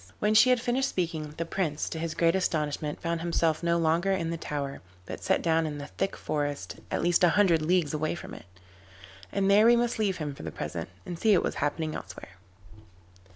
When she had finished speaking, the Prince, to his great astonishment, found himself no longer in the tower, but set down in a thick forest at least a hundred leagues away from it. And there we must leave him for the present, and see what was happening elsewhere.